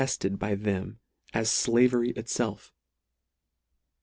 ted by them as flavery itself?